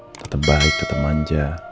tetap baik tetap manja